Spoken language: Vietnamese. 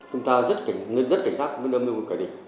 chúng ta rất cảnh sát với đồng lực của cả địch